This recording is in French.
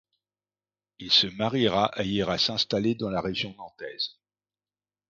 Il se mariera et ira s'installer dans la région nantaise.